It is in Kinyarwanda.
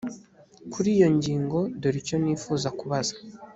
kuri iyi ngingo dore icyo nifuza kubaza